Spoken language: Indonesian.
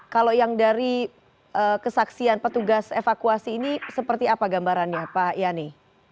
kalau yang dari kesaksian petugas evakuasi ini seperti apa gambarannya pak yani